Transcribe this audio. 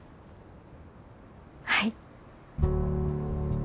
はい。